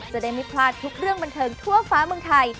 จะได้ไม่พลาดทุกเรื่องบันเทิงทั่วฟ้าเมืองไทย